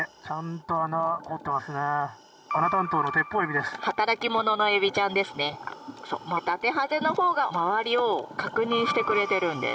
ダテハゼのほうが周りを確認してくれてるんです。